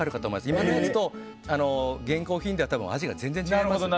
今のやつと現行品では全然味が違います。